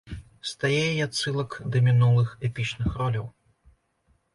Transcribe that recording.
Стае і адсылак да мінулых эпічных роляў.